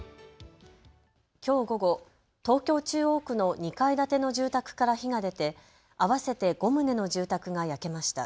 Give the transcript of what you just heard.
きょう午後、東京中央区の２階建ての住宅から火が出て合わせて５棟の住宅が焼けました。